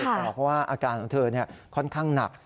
บอกว่าอาการของเธอค่อนข้างหนัก